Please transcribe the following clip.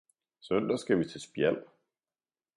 Søndag skal vi til Spjald